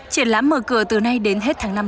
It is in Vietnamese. triển lãm mở cửa từ nay đến hết tháng năm